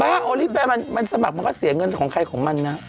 ถ้าโอลี่แฟนมันสมัครมันก็เสียเงินของใครของมันนะ